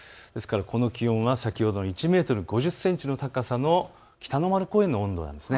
この気温は先ほど１メートル５０センチの高さの北の丸公園のものです。